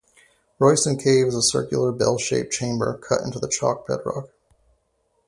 Royston Cave is a circular, bell-shaped chamber cut into the chalk bedrock.